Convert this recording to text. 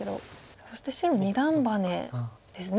そして白二段バネですね。